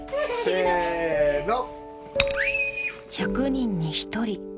１００人に１人。